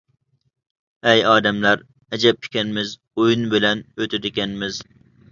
ئەي ئادەملەر، ئەجەب ئىكەنمىز، ئويۇن بىلەن ئۆتىدىكەنمىز.